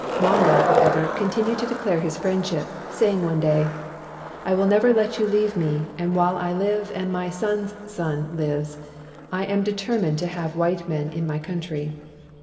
Mwanga, how ever, continued to declare his friendship, saying one day : "I will never let you leave me; and while I live, and my son's son lives, I am determined to have white men in my country.